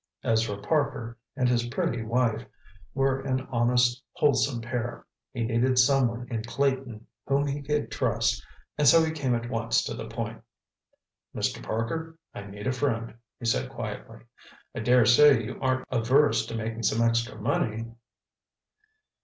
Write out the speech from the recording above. Ezra Parker and his pretty wife were an honest, wholesome pair. He needed someone in Clayton whom he could trust and so he came at once to the point. "Mr. Parker, I need a friend," he said quietly. "I dare say you aren't averse to making some extra money?"